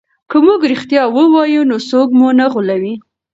که موږ رښتیا ووایو نو څوک مو نه غولوي.